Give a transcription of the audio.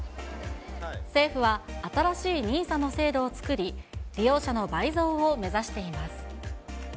政府は、新しいＮＩＳＡの制度を作り、利用者の倍増を目指しています。